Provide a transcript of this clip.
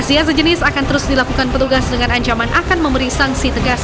razia sejenis akan terus dilakukan petugas dengan ancaman akan memberi sanksi tegas